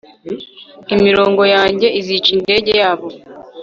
Imirongo yanjye izica indege yabo